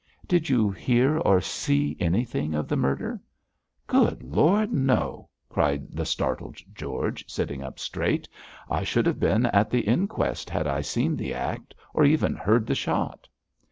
'Did you hear or see anything of the murder?' 'Good Lord, no!' cried the startled George, sitting up straight. 'I should have been at the inquest had I seen the act, or even heard the shot.'